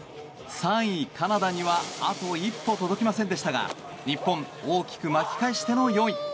３位、カナダにはあと一歩届きませんでしたが日本、大きく巻き返しての４位。